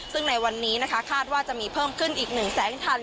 ซึ่งในวันนี้นะคะคาดว่าจะมีเพิ่มขึ้นอีก๑แสนคัน